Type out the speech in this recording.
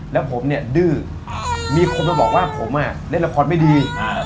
แล้วผมเนี่ยดื้อมีคนมาบอกว่าผมเล่นละครไม่ดี